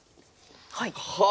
はい。